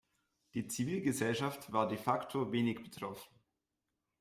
Die Zivilgesellschaft war de facto wenig betroffen.